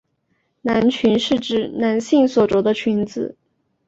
男裙是指男性所着的裙子。